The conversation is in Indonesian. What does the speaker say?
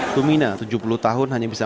tumina tujuh puluh tahun hanya bisa